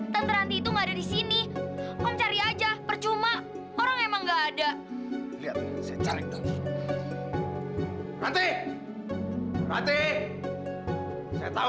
bener bener hantin nekat mau ninggalin aku